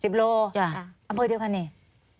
๑๐กิโลกรัมอำเภอเดียวกันเนี่ย